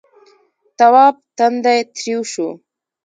تواب تندی تريو شو.